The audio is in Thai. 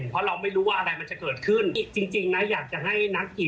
เพราะว่าหัวโปรกว่ามันอาจจะฝังใจ